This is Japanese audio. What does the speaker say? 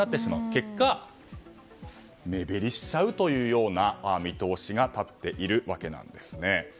結果、目減りしちゃうという見通しが立っているわけです。